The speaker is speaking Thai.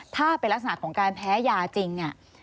ถ้าเป็นลักษณะของการแพ้ยาจริงเนี่ย